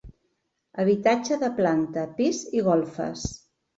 Habitatge de planta, pis i golfes.